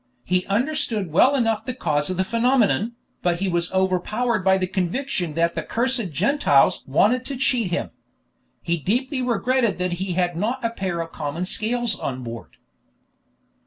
He understood well enough the cause of the phenomenon, but he was overpowered by the conviction that the "cursed Gentiles" wanted to cheat him. He deeply regretted that he had not a pair of common scales on board.